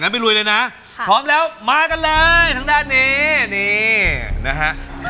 ไม่ลุยเลยนะพร้อมแล้วมากันเลยทางด้านนี้นี่นะฮะ